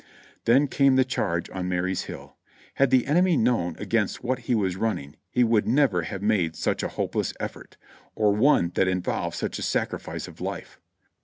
Then came the charge on Marye's Hill. Had the enemy known against what he was running he would never have made such a hopeless effort, or one that involved such a sacrifice of life.